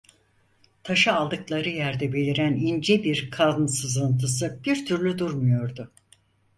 Taşı aldıkları yerde beliren ince bir kan sızıntısı bir türlü durmuyordu.